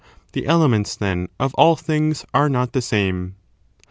The elements, then, of • all things are not the same.